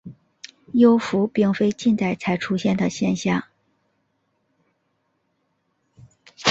幽浮并非近代才出现的现象。